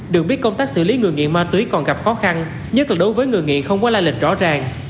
được biết công tác xử lý người nghiện ma túy còn gặp khó khăn nhất là đối với người nghiện không qua la lệch rõ ràng